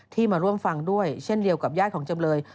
มาร่วมฟังด้วยเช่นเดียวกับญาติของจำเลย